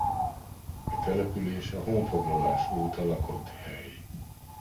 A település a honfoglalás óta lakott hely.